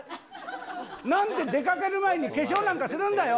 なんで出かける前に化粧なんかするんだよ。